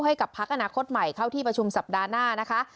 ให้กับพักอนาคตใหม่เข้าที่ประชุมสัปดาห์หน้านะคะ